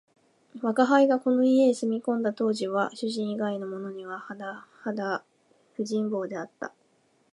吾輩がこの家へ住み込んだ当時は、主人以外のものにははなはだ不人望であった